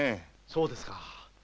そうですか。